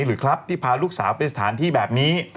หรือครับที่พาลูกสาวไปสถานที่แบบนี้